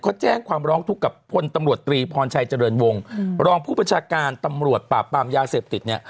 เขาแจ้งความร้องทุกข์กับพลตำรวจตรีพรชัยเจริญวงศ์รองผู้ประชาการตำรวจปราบปรามยาเสพติดเนี่ย